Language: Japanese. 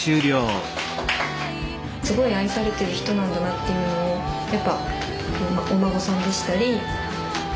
すごい愛されている人なんだなっていうのをやっぱお孫さんでしたりお弟子さんでしたり。